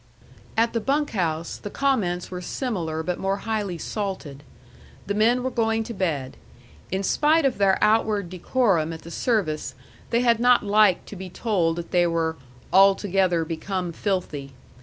At the bunk house, the comments were similar but more highly salted. The men were going to bed. In spite of their outward decorum at the service, they had not liked to be told that they were "altogether become filthy."